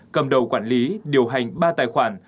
cầm đầu quản lý điều hành ba tài khoản